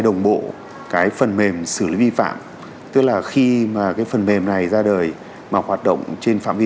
đồng bộ cái phần mềm xử lý vi phạm tức là khi mà cái phần mềm này ra đời mà hoạt động trên phạm vi